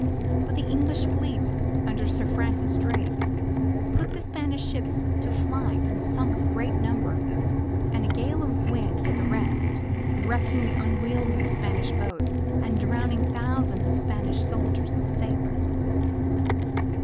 But the English fleet, under Sir Francis Drake, put the Spanish ships to flight and sunk a great number of them. And a gale of wind did the rest, wrecking the unwieldy Spanish boats and drowning thousands of Spanish soldiers and sailors.